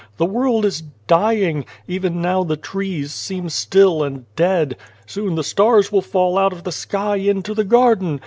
" The world is dying ; even now the trees seem still and dead. Soon the stars will fall out of the sky into the garden.